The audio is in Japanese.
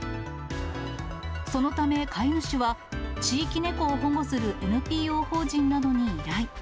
そのため飼い主は、地域猫を保護するＮＰＯ法人などに依頼。